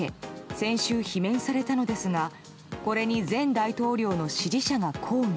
先週、罷免されたのですがこれに前大統領の支持者が抗議。